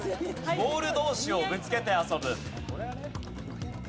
ボール同士をぶつけて遊ぶ。